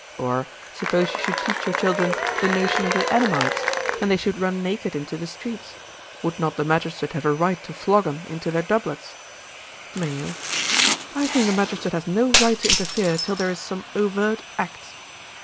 Or, suppose you should teach your children the notion of the Adamites, and they should run naked into the streets, would not the magistrate have a right to flog 'em into their doublets?' MAYO. 'I think the magistrate has no right to interfere till there is some overt act.'